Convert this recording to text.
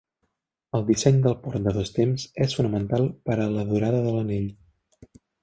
El disseny del port de dos temps és fonamental per a la durada de l'anell.